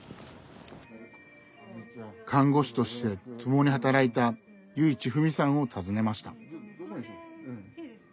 看護師として共に働いた由井千富美さんを訪ねました。